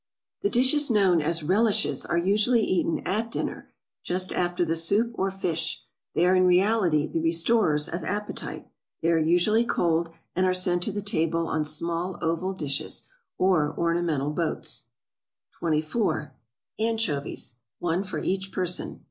The dishes known as relishes are usually eaten at dinner just after the soup or fish; they are in reality the restorers of appetite; they are usually cold, and are sent to the table on small oval dishes, or ornamental boats. 24. =Anchovies.= (_One for each person.